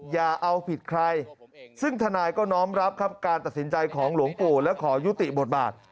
อย่าเอาผิดใครซึ่งทนายก็น้อมรับครับการตัดสินใจของหลวงปู่และขอยุติบทบาท